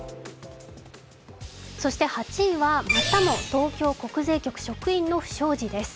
そして８位はまたも東京国税局の職員の不祥事です。